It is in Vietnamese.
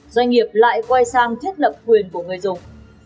doanh nghiệp lại quay sang thiết lập quyền của người dùng